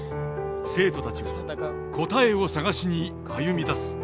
生徒たちが答えを探しに歩み出す。